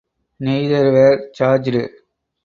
Neither were charged.